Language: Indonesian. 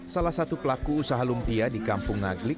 salah satu pelaku usaha lumpia di kampung naglik